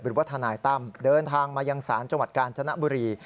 หรือว่าทนายตั้มเดินทางมายังศาลจังหวัดกาญจนบุรี